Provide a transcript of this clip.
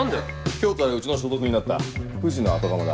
今日からうちの所属になった藤の後釜だ。